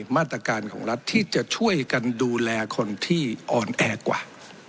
มาตรการของรัฐที่จะช่วยกันดูแลคนที่อ่อนแอกว่า